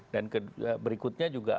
dan berikutnya juga